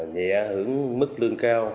nhẹ hưởng mức lương cao